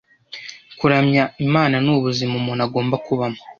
kuramya imana ni ubuzima umuntu agomba kubamo